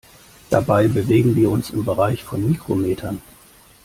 Dabei bewegen wir uns im Bereich von Mikrometern.